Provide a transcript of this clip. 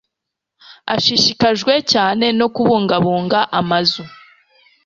Ashishikajwe cyane no kubungabunga amazu.